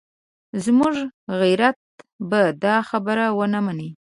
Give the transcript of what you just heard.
زموږ غیرت به دا خبره ونه مني.